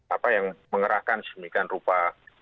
apa yang mengerahkan sedemikian rupa